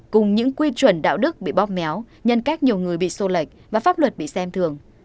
cùng những quy chuẩn đạo đức bị bóp méo nhân cách nhiều người bị sô lệch và pháp luật bị xem thường